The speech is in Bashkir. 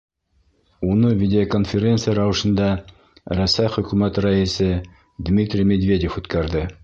Уны видеоконференция рәүешендә Рәсәй Хөкүмәте рәйесе Дмитрий Медведев үткәрҙе.